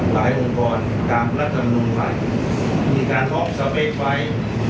หลายองค์กรตามรัฐจำนวนใหม่มีการรอบสะเบ็ดไว้